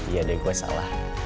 iya deh gua salah